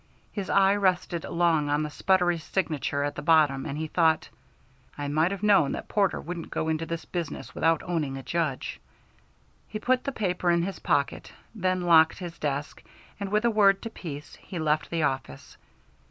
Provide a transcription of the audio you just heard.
His eye rested long on the sputtery signature at the bottom, and he thought, "I might have known that Porter wouldn't go into this business without owning a Judge." He put the paper in his pocket, then locked his desk, and with a word to Pease he left the office.